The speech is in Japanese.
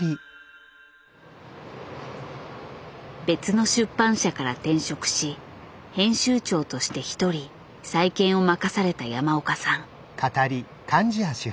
別の出版社から転職し編集長として一人再建を任された山岡さん。